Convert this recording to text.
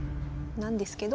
なんですけど。